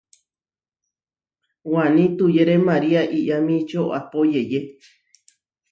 Waní tuyére María Iʼyamíčio ahpó yeyé.